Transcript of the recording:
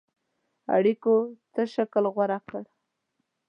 اړېکو څه شکل غوره کړ.